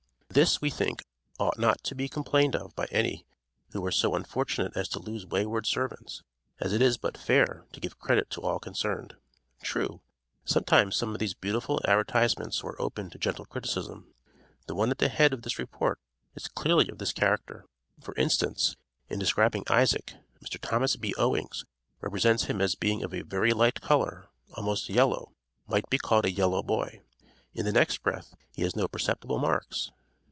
This we think, ought not to be complained of by any who were so unfortunate as to lose wayward servants, as it is but fair to give credit to all concerned. True, sometimes some of these beautiful advertisements were open to gentle criticism. The one at the head of this report, is clearly of this character. For instance, in describing Isaac, Mr. Thomas B. Owings, represents him as being of a "very light color," "almost yellow," "might be called a yellow boy." In the next breath he has no perceptible marks.